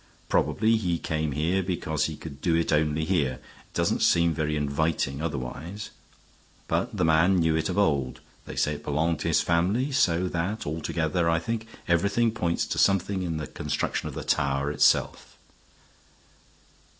Probably he came here because he could do it only here; it doesn't seem very inviting otherwise. But the man knew it of old; they say it belonged to his family, so that altogether, I think, everything points to something in the construction of the tower itself."